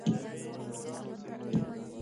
تالابونه د افغانستان د انرژۍ سکتور یوه برخه ده.